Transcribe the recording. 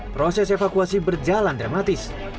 proses evakuasi berjalan dramatis